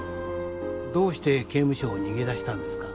どうして刑務所を逃げ出したんですか？